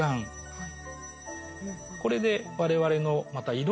はい。